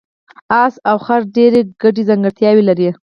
اس او خر ډېرې ګډې ځانګړتیاوې لري.